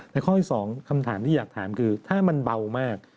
ข้อที่๒คำถามที่อยากถามคือถ้ามันเบามาก